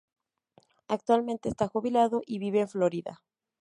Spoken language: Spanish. Actualmente está jubilada y vive en Florida.